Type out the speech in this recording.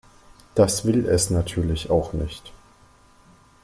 Das will es natürlich auch nicht.